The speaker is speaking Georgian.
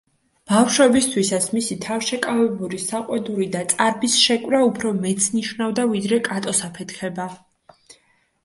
ბავშვებისთვისაც მისი თავშეკავებული საყვედური და წარბის შეკვრა უფრო მეტს ნიშნავდა, ვიდრე კატოს „აფეთქება“.